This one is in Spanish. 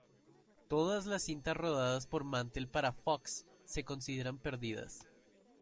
Todas las cintas rodadas por Mantell para "Fox" se consideran perdidas.